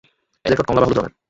এদের ঠোঁট কমলা বা হলুদ রঙের।